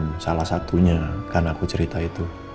bukan salah satunya karena aku cerita itu